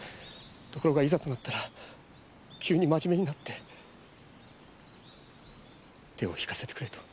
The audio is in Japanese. ところがいざとなったら急に真面目になって手を引かせてくれと。